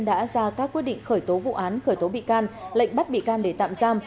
đã ra các quyết định khởi tố vụ án khởi tố bị can lệnh bắt bị can để tạm giam